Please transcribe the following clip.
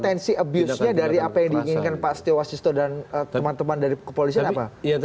tensi abuse nya dari apa yang diinginkan pak setio wasisto dan teman teman dari kepolisian apa